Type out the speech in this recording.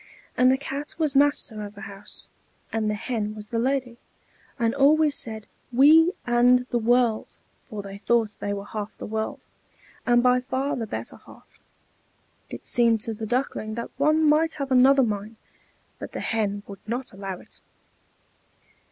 And the Cat was master of the house, and the Hen was the lady, and always said "We and the world!" for they thought they were half the world, and by far the better half. It seemed to the Duckling that one might have another mind, but the Hen would not allow it.